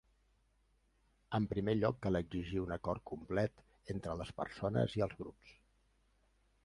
En primer lloc cal exigir un acord complet entre les persones i els grups.